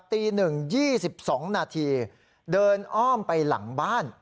ตี๑๒๒นาทีเดินอ้อมไปหลังบ้าน